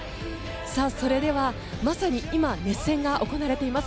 それではまさに今、熱戦が行われています